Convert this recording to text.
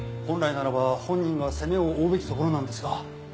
本来ならば本人が責めを負うべきところなんですが。